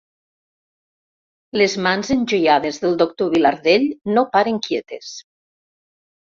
Les mans enjoiades del doctor Vilardell no paren quietes.